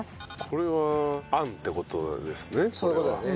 これはあんって事なんですね。